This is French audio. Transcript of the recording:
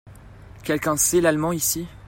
Quelqu'un sait l'allemand ici ?